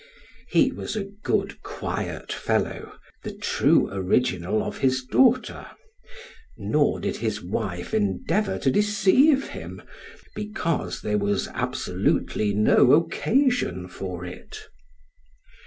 He was a good quiet fellow, the true original of his daughter; nor did his wife endeavor to deceive him, because there was absolutely no occasion for it.